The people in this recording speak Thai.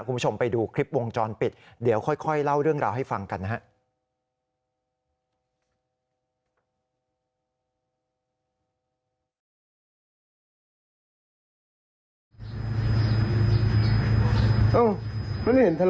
คุณผู้ชมไปดูคลิปวงจรปิดเดี๋ยวค่อยเล่าเรื่องราวให้ฟังกันนะครับ